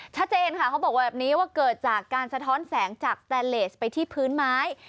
ชัดเจนค่ะเขาบอกแบบนี้ว่าเกิดจากการสะท้อนแสงจากแตนเลสไปที่พื้นไม้